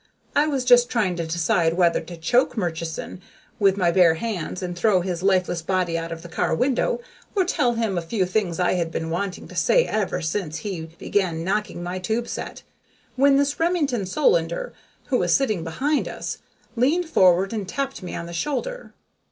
I was just trying to decide whether to choke Murchison with my bare hand and throw his lifeless body out of the car window, or tell him a few things I had been wanting to say ever since he began knocking my tube set, when this Remington Solander, who was sitting behind us, leaned forward and tapped me on the shoulder.